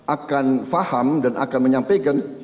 akan faham dan akan menyampaikan